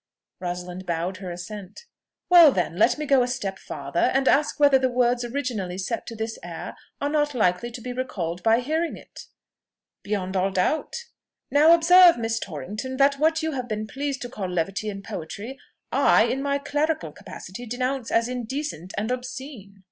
Rosalind bowed her assent. "Well, then, let me go a step farther, and ask whether the words originally set to this air are not likely to be recalled by hearing it?" "Beyond all doubt." "Now observe, Miss Torrington, that what you have been pleased to call levity and poetry, I, in my clerical capacity, denounce as indecent and obscene."